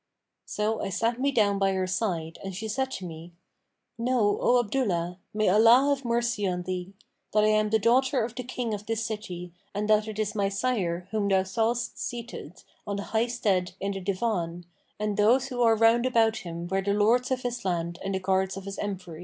So I sat me down by her side and she said to me, 'Know, O Abdullah, (may Allah have mercy on thee!) that I am the daughter of the King of this city and that it is my sire whom thou sawest seated on the high stead in the Divan, and those who are round about him were the Lords of his land and the Guards of his empery.